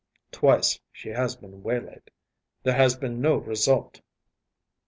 Twice she has been waylaid. There has been no result.